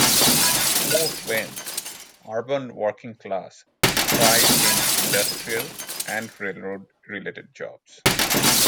Fort Wayne's "urban working class" thrived in industrial and railroad-related jobs.